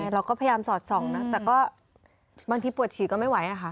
เราก็พยายามสอดส่องนะแต่ก็บางทีปวดฉี่ก็ไม่ไหวนะคะ